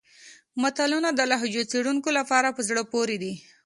متلونه د لهجو څېړونکو لپاره په زړه پورې دي